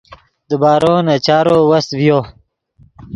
دیبارو نے چارو وست ڤیو